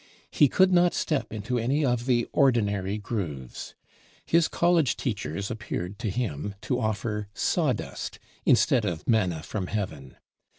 He could not step into any of the ordinary grooves. His college teachers appeared to him to offer "sawdust" instead of manna from heaven.